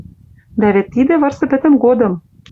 Дӓ вет тидӹ вырсы пӹтӹм годым...